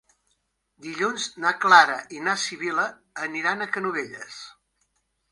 Dilluns na Clara i na Sibil·la aniran a Canovelles.